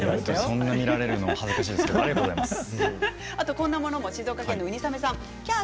そんなに見られるの恥ずかしいですけどありがとうございます。